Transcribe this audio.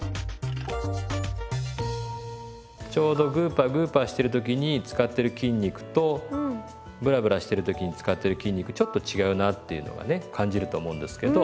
ちょうどグーパーグーパーしてる時に使ってる筋肉とブラブラしてる時に使ってる筋肉ちょっと違うなっていうのがね感じると思うんですけど。